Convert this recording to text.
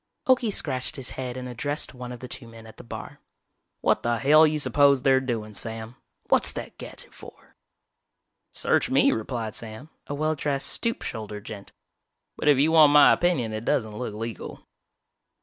Okie scratched his head and addressed one of the two men at the bar. "What the hell you suppose they're doin', Sam? What's that gadget for?" "Search me," replied Sam, a well dressed, stoop shouldered gent, "but if you want my opinion it doesn't look legal."